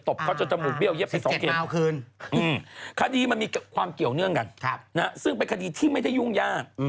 บเขาจนจมูกเบี้ยเย็บไป๒เข็มคดีมันมีความเกี่ยวเนื่องกันซึ่งเป็นคดีที่ไม่ได้ยุ่งยาก